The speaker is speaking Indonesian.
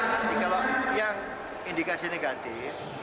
nanti kalau yang indikasi negatif